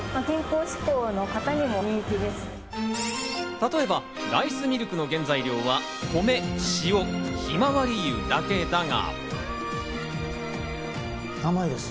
例えばライスミルクの原材料は米、塩、ひまわり油だけだが。